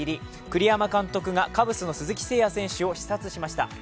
栗山監督がカブスの鈴木誠也選手を視察しました。